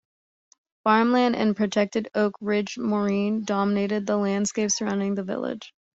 Farmland and the protected Oak Ridges Moraine dominate the landscape surrounding the village.